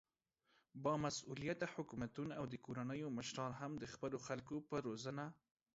با مسؤليته حکومتونه او د کورنيو مشران هم د خپلو خلکو په روزنه